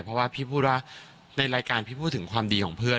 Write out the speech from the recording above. เพราะว่าพี่พูดว่าในรายการพี่พูดถึงความดีของเพื่อน